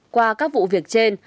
qua các vụ việc trên